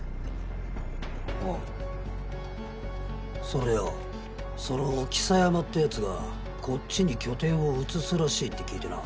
それでよその象山ってやつがこっちに拠点を移すらしいって聞いてな。